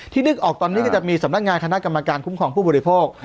นึกออกตอนนี้ก็จะมีสำนักงานคณะกรรมการคุ้มครองผู้บริโภค